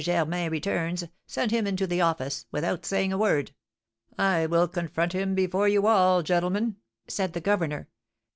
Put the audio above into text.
Germain returns, send him into the office, without saying a word. I will confront him before you all, gentlemen,' said the governor.